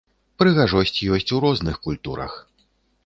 Прыгажосць ёсць у розных культурах.